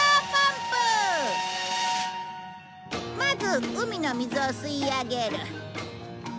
まず海の水を吸い上げる。